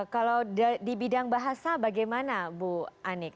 kalau di bidang bahasa bagaimana bu anik